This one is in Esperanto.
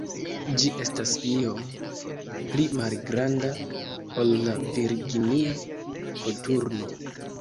Ĝi estas iom pli malgranda ol la Virginia koturno.